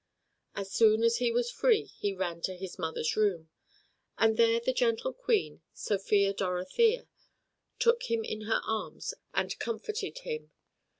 As soon as he was free he ran to his mother's room, and there the gentle Queen, Sophia Dorothea, took him in her arms and comforted him.